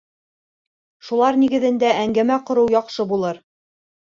Шулар нигеҙендә әңгәмә ҡороу яҡшы булыр.